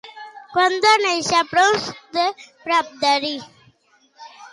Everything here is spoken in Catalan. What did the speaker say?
Quan va néixer Ponç de Pradievi?